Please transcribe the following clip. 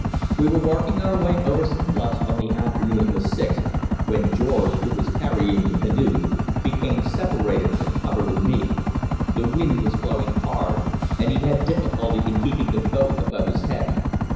We were working our way over some bluffs on the afternoon of the 6th, when George, who was carrying the canoe, became separated from Hubbard and me. The wind was blowing hard, and he had difficulty in keeping the boat above his head.